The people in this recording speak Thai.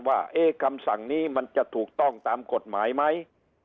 ว่าคำสั่งนี้มันจะถูกต้องตามกฎหมายไหม